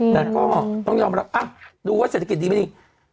แต่ก็ต้องยอมรับดูว่าเศรษฐกิจดีไม่ดี